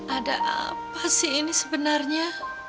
ada apa sih ini sebenarnya